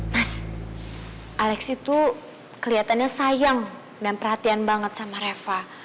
mas alex itu keliatannya sayang dan perhatian banget sama reva